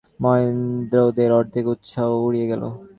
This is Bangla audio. বিহারীকে সঙ্গে লইবার প্রস্তাবে মহেন্দ্রের অর্ধেক উৎসাহ উড়িয়া গেল।